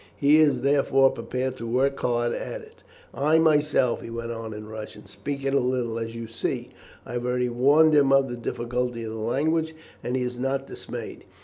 He is, therefore, prepared to work hard at it. I myself," he went on in Russian, "speak it a little, as you see; I have already warned him of the difficulty of the language, and he is not dismayed.